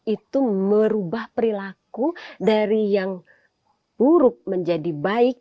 itu merubah perilaku dari yang buruk menjadi baik